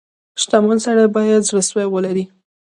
• شتمن سړی باید زړه سوی ولري.